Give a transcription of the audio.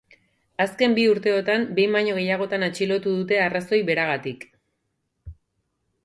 Azken bi urteotan behin baino gehiagotan atxilotu dute arrazoi beragatik.